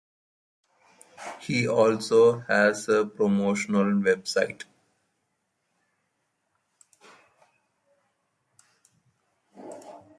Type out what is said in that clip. He also has a promotional web site.